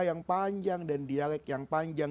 yang panjang dan dialek yang panjang